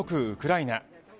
ウクライナ。